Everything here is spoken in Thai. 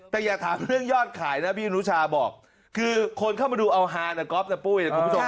แต่อย่าถามเรื่องยอดขายนะพี่อนุชาบอกคือคนเข้ามาดูเอาฮานะก๊อฟนะปุ้ยนะคุณผู้ชม